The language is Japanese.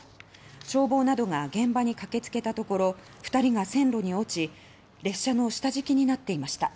消防などが現場に駆け付けたところ２人が線路に落ち列車の下敷きになっていました。